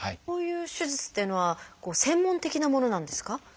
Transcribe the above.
こういう手術っていうのは専門的なものなんですか？